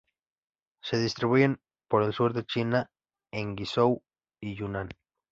Se distribuyen por el sur de China en Guizhou y Yunnan.